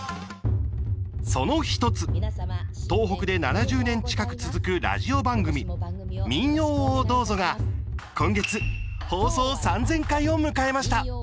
その１つ、東北で７０年近く続く、ラジオ番組「民謡をどうぞ」が、今月放送３０００回を迎えました。